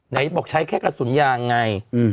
ไหนบอกใช้แค่กระสุนยางไง